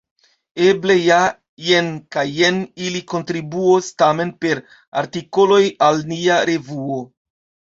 Eble ja jen kaj jen ili kontribuos tamen per artikoloj al nia revuo.